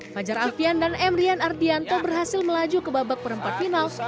fajar alvian dan m rian ardianto berhasil melaju ke babak perempat final